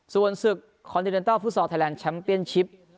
ส่วนศึกคอนติเนินเตอร์ฟุตสอร์ทไทยแลนด์ชัมเปียนชิป